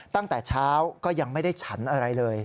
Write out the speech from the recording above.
ตั้งแต่เช้าก็ยังไม่ได้ฉันอะไรเลย